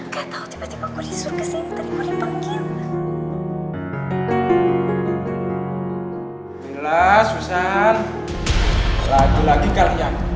gak tau tiba tiba gue disuruh sini tadi gue dipanggil